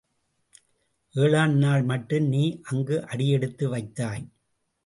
ஏழாம் நாள் மட்டும் நீ அங்கு அடி எடுத்து வைத்தாய்.